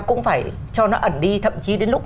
cũng phải cho nó ẩn đi thậm chí đến lúc